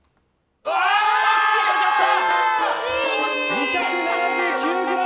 ２７９ｇ！